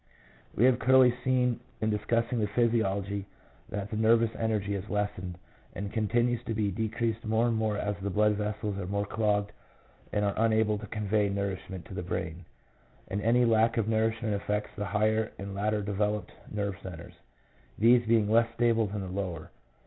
We have clearly seen in discussing the physiology that the nervous energy is lessened, and continues to be decreased more and more as the blood vessels are more clogged and are unable to convey nourishment to the brain, and any lack of nourishment affects the higher and later developed nerve centres, these being less stable than the lower.